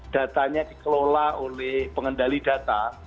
datanya dikelola oleh pengendali data